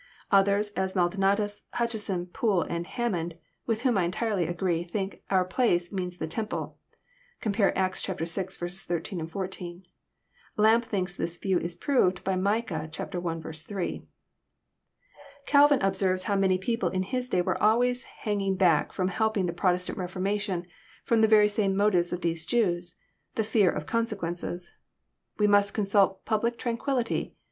* Others, as Maldonatus, Hutcheson, Poole, and Hammond, with whom I entirely agree, think our place" means the temple. (Compare Acts vi. 18, 14.) Lampe thinks this view Is proved by Micah 1. 8. Calvin observes, how many people in his day were always Vianging back fVom helping the Protestant Reformation, from 'lie very same motives as these Jews, — the fear of consequences. «< We must consult public tranquillity.